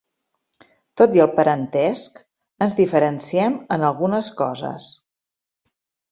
Tot i el parentesc, ens diferenciem en algunes coses.